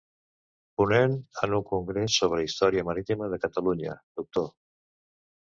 >>Ponent en un Congrés sobre Història Marítima de Catalunya: doctor